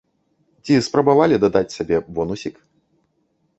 Ці спрабавалі дадаць сабе бонусік?